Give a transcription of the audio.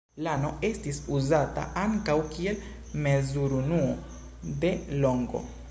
Lano estis uzata ankaŭ kiel mezurunuo de longo.